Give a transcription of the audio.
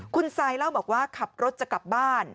คุณซายเล่าบอกว่าขับรถจะกลับบ้าน